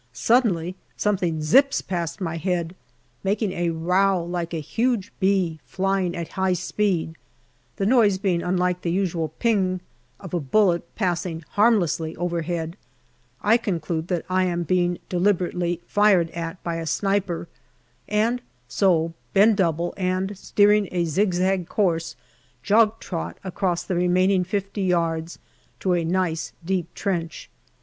Suddenly something " zips " past my head, making a row like a huge bee flying at high speed; the noise being unlike the usual " ping " of a bullet passing harm less overhead, I conclude that I am being deliberately fired at by a sniper, and so bend double, and steering a zigzag course, jog trot across the remaining fifty yards to a nice deep trench.